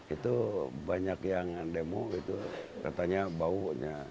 itu banyak yang demo gitu katanya baunya